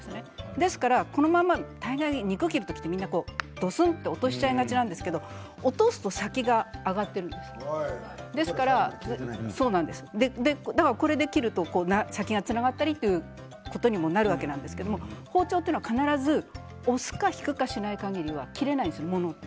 ですから大概、肉を切る時はみんな、ドスンと落としちゃいがちですが落とすと先が上がっているだからこれで切ると先がつながったりということにもなるんですけど包丁というのは必ず押すか引くかしないかぎりは切れないんです、ものって。